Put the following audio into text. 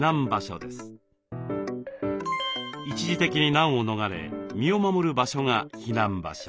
一時的に難を逃れ身を守る場所が「避難場所」。